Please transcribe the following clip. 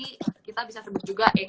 itu pasti kita bisa mengambil yang perlu